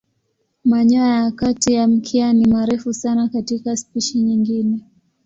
Manyoya ya kati ya mkia ni marefu sana katika spishi nyingine.